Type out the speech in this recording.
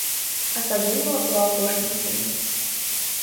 Асабліва ў апошні дзень.